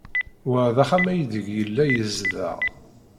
Wa d axxam aydeg yella yezdeɣ.